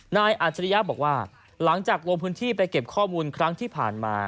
อาจริยะบอกว่าหลังจากลงพื้นที่ไปเก็บข้อมูลครั้งที่ผ่านมา